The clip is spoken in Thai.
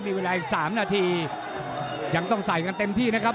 มีเวลาอีกสามนาทียังต้องใส่กันเต็มที่นะครับ